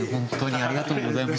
ありがとうございます。